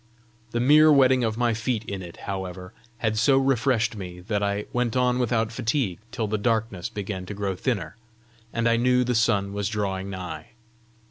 The mere wetting of my feet in it, however, had so refreshed me, that I went on without fatigue till the darkness began to grow thinner, and I knew the sun was drawing nigh.